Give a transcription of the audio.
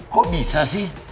kok bisa sih